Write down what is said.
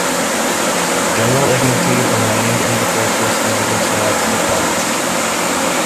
General Ignatiev remained in the fortress and oversaw its defence.